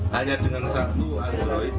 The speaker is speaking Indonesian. hanya dengan satu android